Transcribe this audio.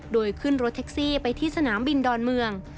โดยขึ้นรถแท็กซี่ไปที่สนามบินดอนเมือง